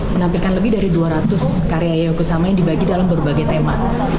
menampilkan lebih dari dua ratus karya yaya kusama yang dibagi dalam berbagai tema